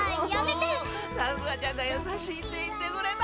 さくらちゃんがやさしいって言ってくれた。